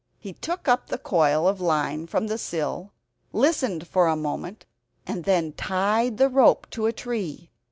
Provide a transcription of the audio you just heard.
He took up the coil of line from the sill, listened for a moment, and then tied the rope to a tree.